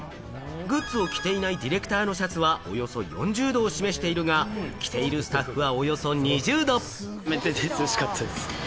グッズを着ていないディレクターのシャツは、およそ４０度を示しているが、来ているスタッフはおよそ２０度。